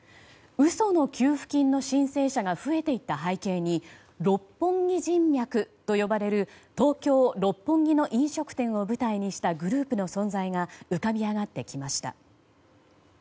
嘘の給付金の申請者が増えていった背景に六本木人脈と呼ばれる東京・六本木の飲食店を舞台にしたグループの存在が浮かび上がってきました。